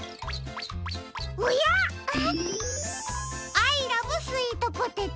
「アイ♥スイートポテト」。